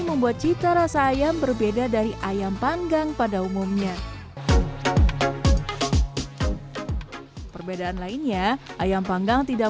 membuat cita rasa ayam berbeda dari ayam panggang pada umumnya perbedaan lainnya ayam panggang tidak